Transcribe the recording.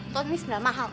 tuan ini sandal mahal